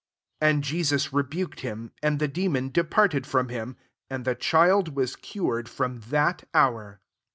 18 And Jesus rebuked him, and the demon departed from him ; and the child was cured from that hour.